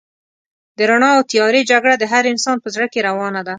د رڼا او تيارې جګړه د هر انسان په زړه کې روانه ده.